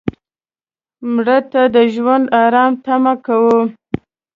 مړه ته د ژوند آرام تمه کوو